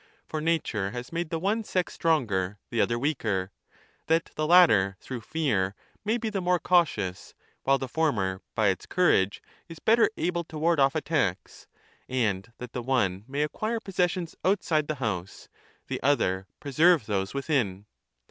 For nature has made the one sex stronger, 3 the other weaker, that the latter through fear may be the more cautious, while the former by its courage is better 1344* able to ward off attacks ; and that the one may acquire possessions outside the house, the other preserve those within.